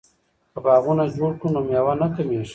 که باغونه جوړ کړو نو میوه نه کمیږي.